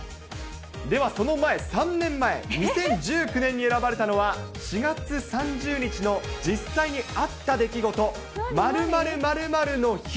ではその前、３年前、２０１９年に選ばれたのは、４月３０日の実際にあった出来事、○○○○の日。